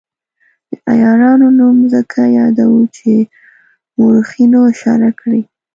د عیارانو نوم ځکه یادوو چې مورخینو اشاره کړې.